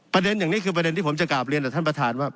ประเด็นอย่างนี้คือประเด็นที่ผมจะกลับเรียนต่อท่านประธานว่า